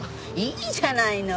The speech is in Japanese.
いいじゃないの。